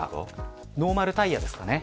ノーマルタイヤですかね。